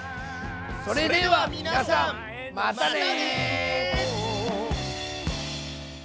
それでは皆さんまたね。